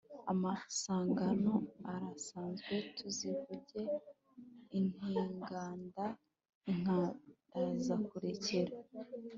Amasangano arasanzwe, tuzivuge intigandaInkatazakurekera